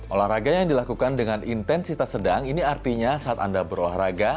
olahraga yang dilakukan dengan intensitas sedang ini artinya saat anda berolahraga